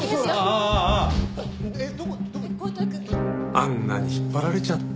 あんなに引っ張られちゃって。